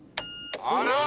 あら！